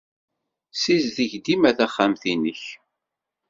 Ssizdig dima taxxamt-nnek.